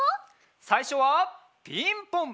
さいしょはピンポン。